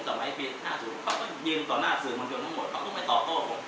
สมัยปี๕๐ผมก็ยิงต่อหน้าสื่อมันจนหมดเขาไม่ตอบโทษผม